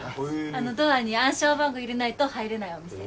あのドアに暗証番号入れないと入れないお店。